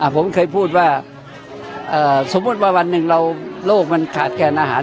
ผมเคยพูดว่าสมมุติว่าวันหนึ่งเราโลกมันขาดแคลนอาหาร